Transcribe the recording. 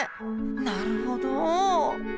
なるほど！